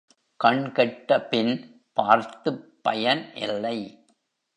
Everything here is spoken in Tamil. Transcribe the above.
கண் கெட்ட பின் பார்த்துப் பயன் இல்லை.